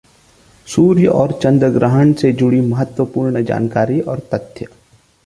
सूर्य और चंद्र ग्रहण से जुड़ी महत्वपूर्ण जानकारी और तथ्य